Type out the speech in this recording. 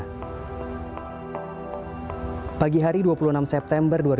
penerbangan jakarta timika membutuhkan waktu sekitar enam jam di udara